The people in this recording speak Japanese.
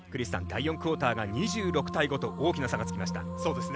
第４クオーターが２６対５と大きな差がつきました。